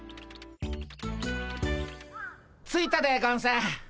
着いたでゴンス。